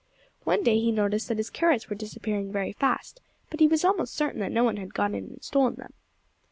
One day he noticed that his carrots were disappearing very fast, but he was almost certain that no one had got in and stolen them.